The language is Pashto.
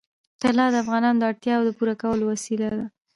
طلا د افغانانو د اړتیاوو د پوره کولو وسیله ده.